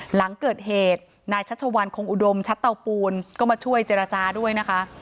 หลังเกิดเหตุนายชัชวัลคงอุดมชัดเตาปูนก็มาช่วยเจรจาด้วยนะคะ